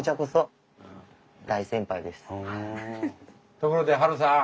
ところでハルさん。